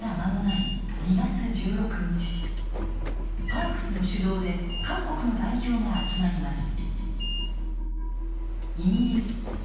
パークスの主導で各国の代表が集まります。